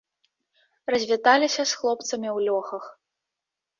Развіталіся з хлопцамі ў лёхах.